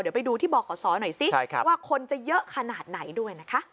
เดี๋ยวไปดูที่บขศหน่อยสิว่าคนจะเยอะขนาดไหนด้วยนะคะ